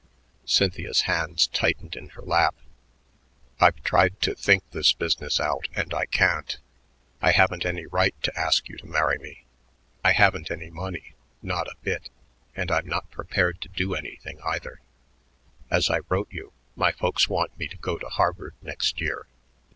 Cynthia's hands tightened in her lap. "I've tried to think this business out, and I can't. I haven't any right to ask you to marry me. I haven't any money, not a bit, and I'm not prepared to do anything, either. As I wrote you, my folks want me to go to Harvard next year."